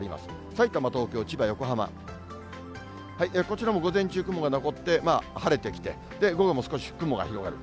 さいたま、東京、千葉、横浜、こちらも午前中、雲が残って、晴れてきて、午後も少し雲が広がる。